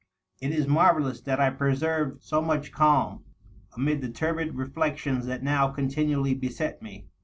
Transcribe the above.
It is marvellous that I preserved so much calm amid the turbid reflections that now continually beset me.